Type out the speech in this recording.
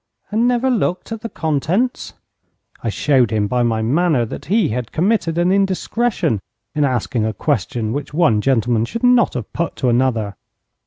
'And never looked at the contents?' I showed him by my manner that he had committed an indiscretion in asking a question which one gentleman should not have put to another.